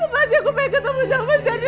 mas aku mau ketemu sama mas ardi